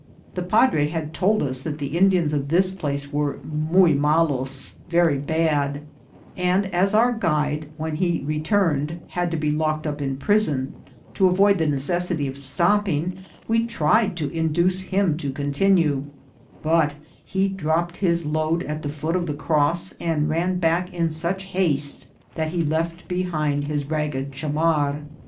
The padre had told us that the Indians of this place were " muy malosj" very bad ; and as our guide, when he re turned, had to be locked up in prison, to avoid the ne cessity of stopping we tried to induce him to continue ; but he dropped his load at the foot of the cross, and ran back in such haste that he left behind his rag ged chamar.